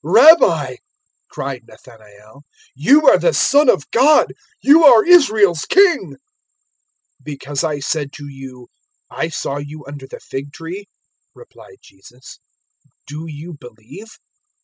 001:049 "Rabbi," cried Nathanael, "you are the Son of God, you are Israel's King!" 001:050 "Because I said to you, `I saw you under the fig tree,'" replied Jesus, "do you believe?